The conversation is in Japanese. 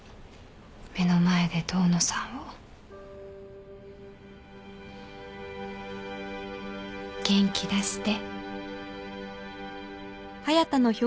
目の前で遠野さんを。元気出して。